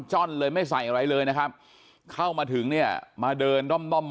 จ้อนเลยไม่ใส่อะไรเลยนะครับเข้ามาถึงเนี่ยมาเดินด้อม